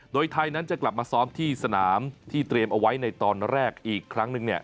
โดยไทยนั้นจะกลับมาซ้อมที่สนามที่เตรียมเอาไว้ในตอนแรกอีกครั้งหนึ่ง